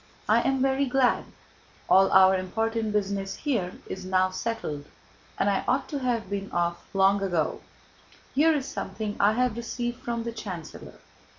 I am very glad. All our important business here is now settled, and I ought to have been off long ago. Here is something I have received from the chancellor.